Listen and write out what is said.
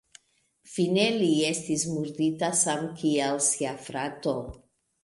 Fine li estis murdita samkiel sia frato.